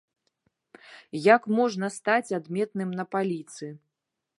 Як можна стаць адметным на паліцы.